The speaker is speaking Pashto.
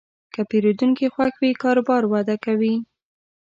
که پیرودونکی خوښ وي، کاروبار وده کوي.